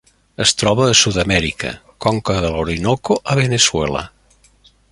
Es troba a Sud-amèrica: conca de l'Orinoco a Veneçuela.